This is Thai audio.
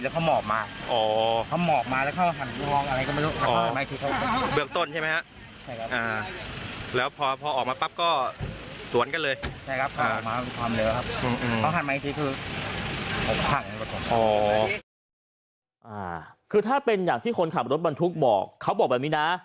คือถ้าเป็นอย่างที่คนขับรถบรรทุกบอกเขาบอกแบบนี้นะ